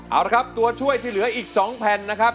เอาละครับตัวช่วยที่เหลืออีก๒แผ่นนะครับ